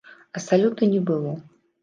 А салюту не было.